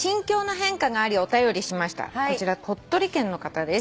こちら鳥取県の方です。